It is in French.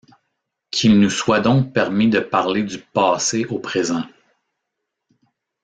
Qu’il nous soit donc permis de parler du passé au présent.